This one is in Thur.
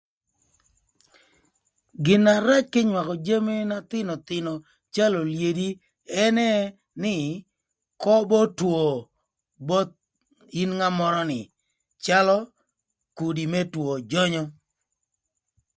Gin na rac kï makö jami na thïnöthïnö calö olyedi ënë nï köbö two both in ngat mörö ni calö kudi më two jönyö.